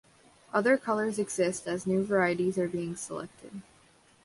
Other colors exist as new varieties are being selected.